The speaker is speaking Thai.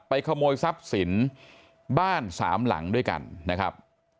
ขโมยทรัพย์สินบ้านสามหลังด้วยกันนะครับ